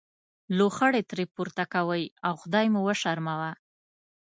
لوخړې ترې پورته کوئ او خدای مو وشرموه.